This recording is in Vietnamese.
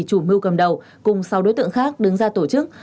chủ mưu cầm đầu cùng sáu đối tượng khác đứng ra tổ chức